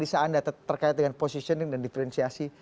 jadi posisinya dan diferensiasi